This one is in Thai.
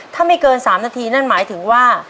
ถ้าไม่เกิน๓นาทีนั่นหมายถึงว่า